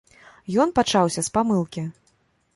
Ён пачаўся з памылкі!